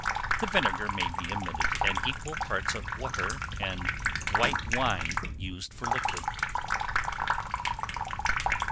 The vinegar may be omitted and equal parts of water and white wine used for liquid.